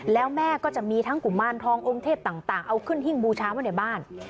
แล้วแม่ก็จะมีทั้งกุมารทององค์เทพต่างเอาขึ้นหิ้งบูชาไว้ในบ้าน